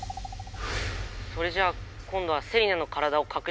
それじゃあ今度はセリナの体をかくしたってこと⁉